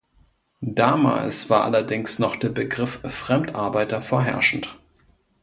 Damals war allerdings noch der Begriff Fremdarbeiter vorherrschend.